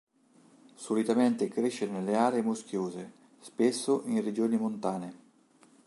Solitamente cresce nelle aree muschiose, spesso in regioni montane.